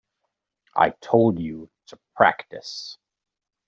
I told you to practice.